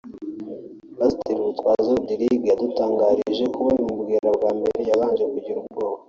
Pastor Rutwaza Rodrigue yadutangarije ko babimubwira bwa mbere yabanje kugira ubwoba